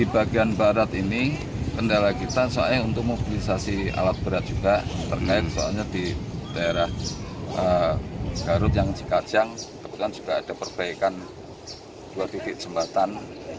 mobilisasi alat berat juga terkait soalnya di daerah garut yang dikacang kebetulan juga ada perbaikan dua titik jembatan